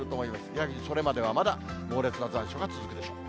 やはりそれまではまだ猛烈な残暑が続くでしょう。